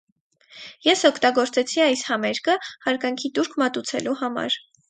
Ես օգտագործեցի այս համերգը՝ հարգանքի տուրք մատուցելու համար։